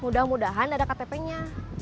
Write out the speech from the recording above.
mudah mudahan ada ktp nya